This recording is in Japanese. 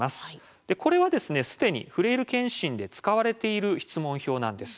これはすでにフレイル健診で使われている質問票なんです。